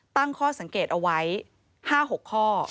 ตั้งข้อสังเกตเอาไว้๕๖ข้อ